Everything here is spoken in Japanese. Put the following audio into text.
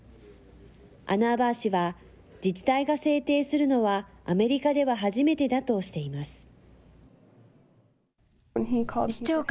アナーバー市は、自治体が制定するのは、アメリカでは初めてだとしています。